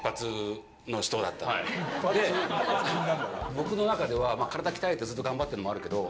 僕の中では体鍛えてずっと頑張ってるのもあるけど。